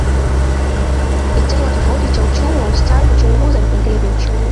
Kitengo tofauti cha uchumi wa ustawi huchunguza vipengele vya uchumi